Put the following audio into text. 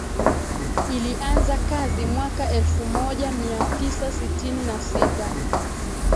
ilianza kazi mwaka elfu moja mia tisa sitini na sita